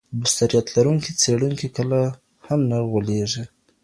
بصیرت لرونکی څېړونکی کله هم نه غولیږي.